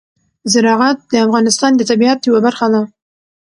زراعت د افغانستان د طبیعت یوه برخه ده.